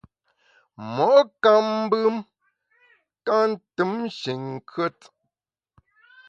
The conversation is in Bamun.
Mo’ nkam mbem ka ntùm nshin nkùet.